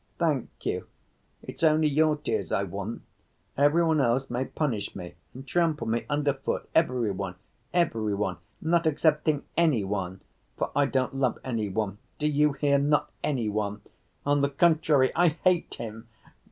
"Thank you! It's only your tears I want. Every one else may punish me and trample me under foot, every one, every one, not excepting any one. For I don't love any one. Do you hear, not any one! On the contrary, I hate him!